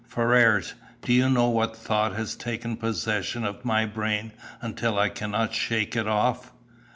"Ferrars, do you know what thought has taken possession of my brain until I cannot shake it off?"